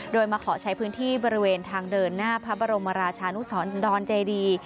โดยมาขอใช้พื้นที่บริเวณทางเดินหน้าพระบรมราชานุสรดอนเจดี